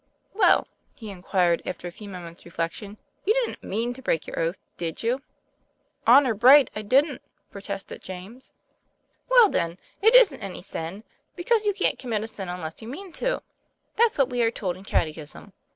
"Well," he inquired, after a few moments' reflec tion, " you didn't mean to break your oath, did you ?" "Honor bright, I didn't," protested James. 206 TOM PLA YFAIR. "Well, then, it isn't any sin; because you can't commit a sin unless you mean to that's what we are told in catechism.